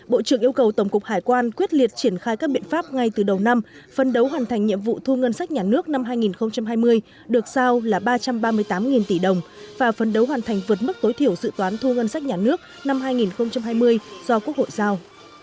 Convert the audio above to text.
bộ trưởng yêu cầu tổng cục hải quan quyết liệt triển khai các biện pháp ngay từ đầu năm phân đấu hoàn thành nhiệm vụ thu ngân sách nhà nước năm hai nghìn hai mươi được sao là ba trăm ba mươi tám tỷ đồng và phân đấu hoàn thành vượt mức tối thiểu dự toán thu ngân sách nhà nước năm hai nghìn hai mươi do quốc hội giao